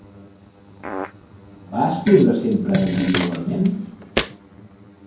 Va escriure sempre individualment?